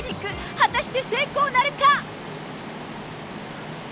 果たして成功なるか。